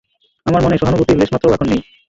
আমার মনে সহানুভূতির লেশমাত্রও এখন নেই!